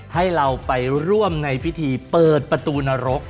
ให้เราไปร่วมในพิธีเปิดประตูนรก